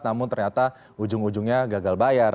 namun ternyata ujung ujungnya gagal bayar